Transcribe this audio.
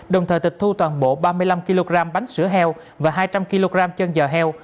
đồng thời tịch thu toàn bộ ba mươi năm kg bánh sữa heo và hai trăm linh kg chân giò heo